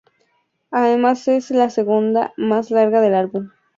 Además es la segunda más larga del álbum.